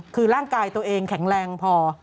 คือร่างกายตัวเองแข็งแรงพอ